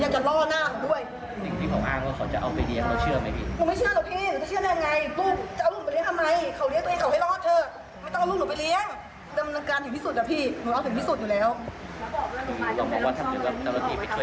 โกรธมากเลยครับ